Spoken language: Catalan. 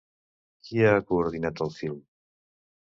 Qui ha coordinat el film?